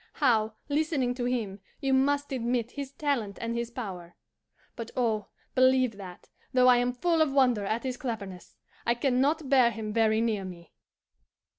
"You know well, Robert, how clever he is; how, listening to him, you must admit his talent and his power. But oh, believe that, though I am full of wonder at his cleverness, I can not bear him very near me."